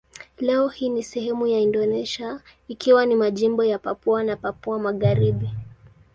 Leo hii ni sehemu ya Indonesia ikiwa ni majimbo ya Papua na Papua Magharibi.